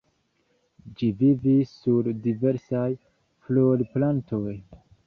Ĝi vivas sur diversaj florplantoj.